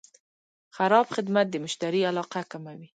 خراب خدمت د مشتری علاقه کموي.